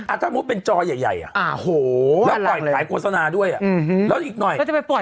อาจารย์มุมเป็นจอใหญ่แล้วปล่อยขายโฆษณาด้วยแล้วอีกหน่อยแล้วจะไปปล่อย